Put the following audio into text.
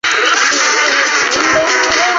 仅有三式指挥连络机一种。